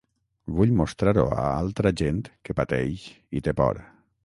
Vull mostrar-ho a altra gent que pateix i té por.